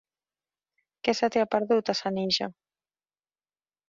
Què se t'hi ha perdut, a Senija?